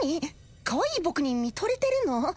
かわいい僕に見とれてるの？